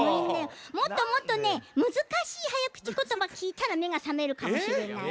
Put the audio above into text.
もっともっとねむずかしいはやくちことばきいたらめがさめるかもしれないな。